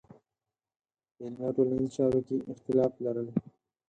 په علمي او ټولنیزو چارو کې اختلاف لرل.